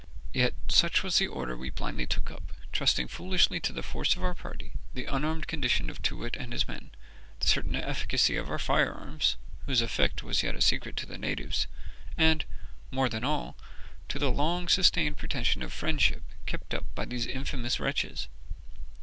Yet such was the order we blindly took up, trusting foolishly to the force of our party, the unarmed condition of Too wit and his men, the certain efficacy of our firearms (whose effect was yet a secret to the natives), and, more than all, to the long sustained pretension of friendship kept up by these infamous wretches.